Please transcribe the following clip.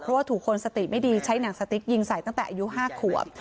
เพราะว่าถูกคนสติไม่ดีใช้หนังสติ๊กยิงใส่ตั้งแต่อายุ๕ขวบ